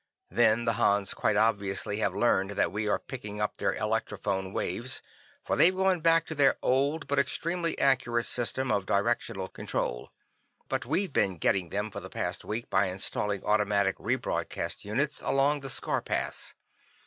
Then, the Hans quite obviously have learned that we are picking up their electrophone waves, for they've gone back to their old, but extremely accurate, system of directional control. But we've been getting them for the past week by installing automatic re broadcast units along the scar paths.